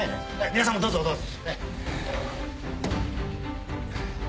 皆さんもどうぞどうぞ。